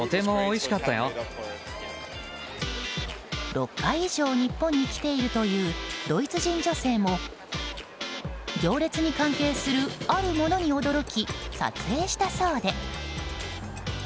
６回以上、日本に来ているというドイツ人女性も行列に関係する、あるものに驚き撮影したそうで。